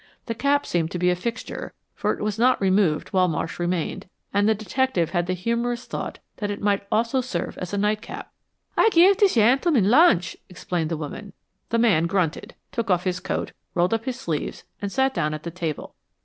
The cap seemed to be a fixture, for it was not removed while Marsh remained, and the detective had the humorous thought that it might also serve as a nightcap. "Aye give dis yentleman lunch," explained the woman. The man grunted, took off his coat, rolled up his sleeves and sat down at the table.